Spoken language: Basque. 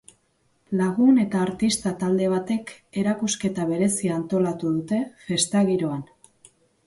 Lagun eta artista talde batek erakusketa berezia antolatu dute, festa giroan.